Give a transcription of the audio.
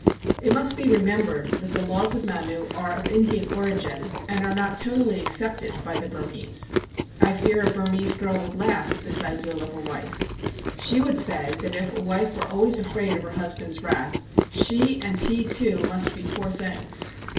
It must be remembered that the Laws of Manu are of Indian origin, and are not totally accepted by the Burmese. I fear a Burmese girl would laugh at this ideal of a wife. She would say that if a wife were always afraid of her husband's wrath, she and he, too, must be poor things.